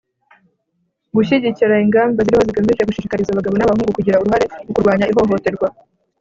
Gushyigikira ingamba ziriho zigamije gushishikariza abagabo n abahungu kugira uruhare mu kurwanya ihohoterwa